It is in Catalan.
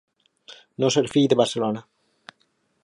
No ser fill de Barcelona.